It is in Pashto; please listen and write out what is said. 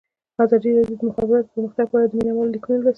ازادي راډیو د د مخابراتو پرمختګ په اړه د مینه والو لیکونه لوستي.